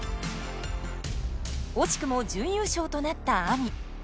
惜しくも準優勝となったＡＭＩ。